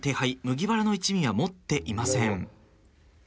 麦わらの一味は持っていません。